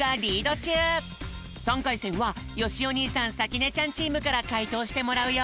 ３かいせんはよしお兄さんさきねちゃんチームからかいとうしてもらうよ！